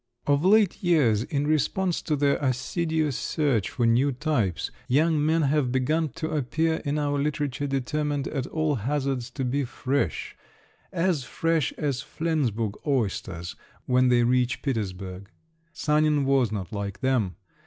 Of late years, in response to the assiduous search for "new types," young men have begun to appear in our literature, determined at all hazards to be "fresh"… as fresh as Flensburg oysters, when they reach Petersburg…. Sanin was not like them.